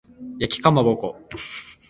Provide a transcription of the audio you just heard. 焼きかまぼこ